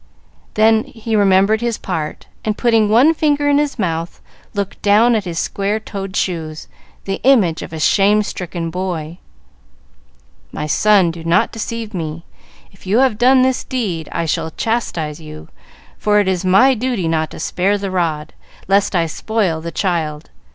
Then he remembered his part, and, putting one finger in his mouth, looked down at his square toed shoes, the image of a shame stricken boy. "My son, do not deceive me. If you have done this deed I shall chastise you, for it is my duty not to spare the rod, lest I spoil the child.